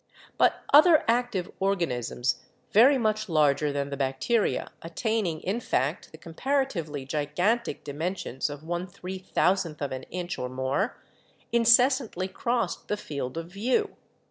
"But other active organisms, very much larger than the ioo BIOLOGY bacteria, attaining, in fact, the comparatively gigantic dimensions of one three thousandth of an inch or more, incessantly crossed the field of view.